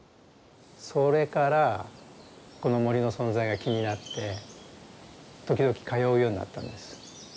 それからこの森の存在が気になって時々通うようになったんです。